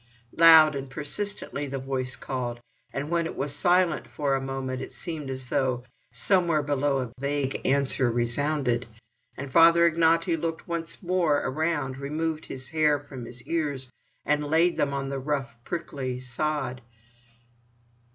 Loud and persistently the voice called, and when it was silent for a moment it seemed as though somewhere below a vague answer resounded. And Father Ignaty looked once more around, removed his hair from his ears, and laid them on the rough prickly sod.